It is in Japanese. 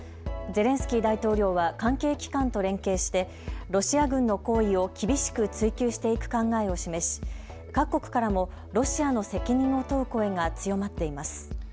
ゼレンスキー大統領は関係機関と連携してロシア軍の行為を厳しく追及していく考えを示し各国からもロシアの責任を問う声が強まっています。